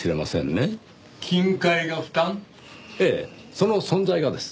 その存在がです。